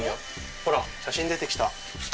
ほら写真出てきた。